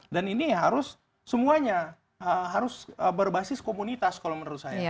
dan ini harus semuanya harus berbasis komunitas kalau menurut saya